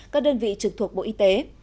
các đơn vị trực thuộc bộ y tế